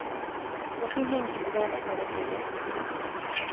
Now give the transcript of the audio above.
އޮފީހެއް ހިންގާނޭ ތަނެއް ކުއްޔަށް ހިފުމަށް